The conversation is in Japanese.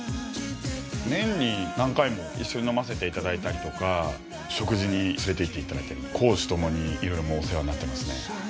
年に何回も一緒に飲ませていただいたりとか食事に連れて行っていただいたり公私共にいろいろお世話になってますね。